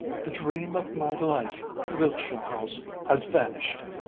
the dream of my life Wiltshire House has vanished.